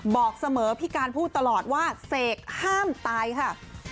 บอกเสมอพี่การพูดตลอดว่าเสกห้ามตายค่ะ